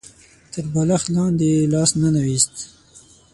تر بالښت لاندې يې لاس ننه ايست.